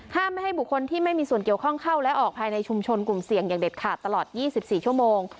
ไม่ให้บุคคลที่ไม่มีส่วนเกี่ยวข้องเข้าและออกภายในชุมชนกลุ่มเสี่ยงอย่างเด็ดขาดตลอด๒๔ชั่วโมง